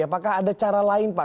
apakah ada cara lain pak